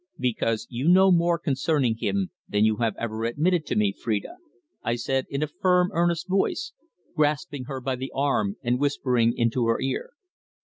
"Because you know more concerning him than you have ever admitted to me, Phrida," I said in a firm, earnest voice, grasping her by the arm and whispering into her ear.